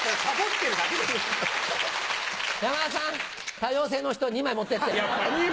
多様性の人の２枚持ってって。